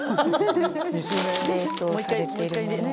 冷凍されているものを。